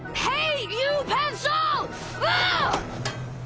はい。